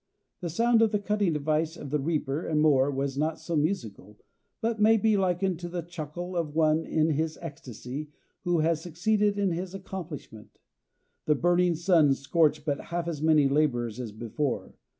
The sound of the cutting device of the reaper and mower was not so musical, but may be likened to the chuckle of one in his ecstasy who has succeeded in his accomplishment. The burning sun scorched but half as many laborers as before.